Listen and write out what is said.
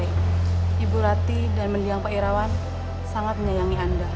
ibu rati dan mendiang pak irawan sangat menyayangi anda